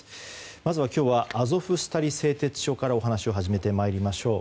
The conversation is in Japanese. まずは今日はアゾフスタリ製鉄所からお話を始めてまいりましょう。